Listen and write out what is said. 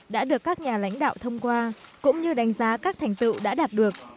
đã được các nhà lãnh đạo thông qua cũng như đánh giá các thành tựu đã đạt được